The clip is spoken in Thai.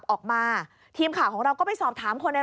นี่ค่ะคุณผู้ชมพอเราคุยกับเพื่อนบ้านเสร็จแล้วนะน้า